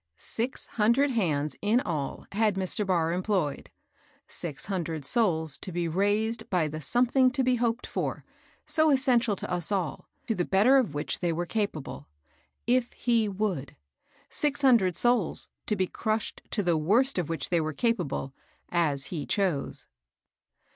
.^, Six hundred hands, in all, had Mr. employed, — six hundred souls to be raised by the something to be hoped for, so essential to us all, to the better of which they were capable, if Tie wouldj — six hundred souls to be crushed to the worst of which they were capable, as he chose.